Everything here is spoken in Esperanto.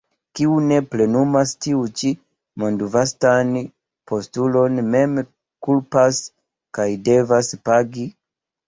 Kiu ne plenumas tiun ĉi mondvastan postulon, mem kulpas kaj devas pagi.